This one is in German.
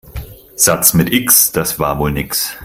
Satz mit X, das war wohl nix.